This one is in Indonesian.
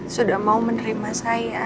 sudah mau menerima saya